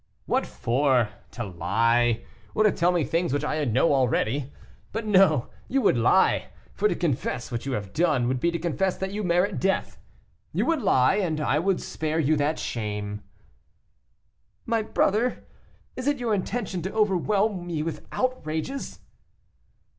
"What for? to lie, or to tell me things which I know already? But no, you would lie; for to confess what you have done, would be to confess that you merit death. You would lie, and I would spare you that shame." "My brother, is it your intention to overwhelm me with outrages?"